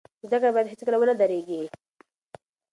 زده کړه باید هیڅکله ونه دریږي.